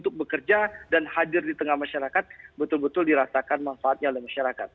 untuk bekerja dan hadir di tengah masyarakat betul betul dirasakan manfaatnya oleh masyarakat